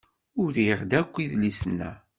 Uriɣ-d akk idlisen-a.